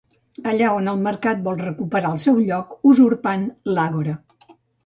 Allà on el Mercat vol recuperar el seu lloc, usurpant l'Àgora.